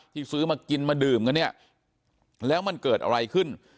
ซื้อมากินมาดื่มกันเนี่ยแล้วมันเกิดอะไรขึ้น